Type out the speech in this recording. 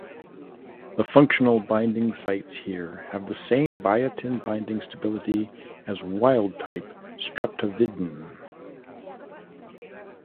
The functional binding sites here have the same biotin binding stability as wild-type streptavidin.